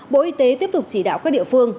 bộ y tế tiếp tục chỉ đạo các địa phương